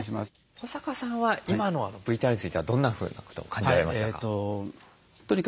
保坂さんは今のＶＴＲについてはどんなふうなことを感じられましたか？